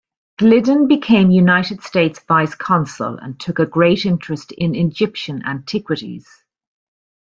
Gliddon became United States vice-consul and took a great interest in Egyptian antiquities.